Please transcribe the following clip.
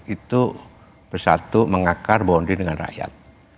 itu bersatu mengakar bonding dengan rakyat